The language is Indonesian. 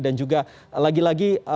dan juga lagi lagi